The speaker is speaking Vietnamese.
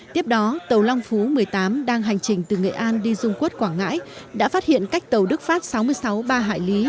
tiếp đó tàu long phú một mươi tám đang hành trình từ nghệ an đi dung quất quảng ngãi đã phát hiện cách tàu đức pháp sáu mươi sáu ba hải lý